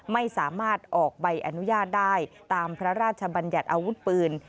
ไม่สามารถออกใบอนุญาตได้ตามพระราชบัญญัติอาวุธปืน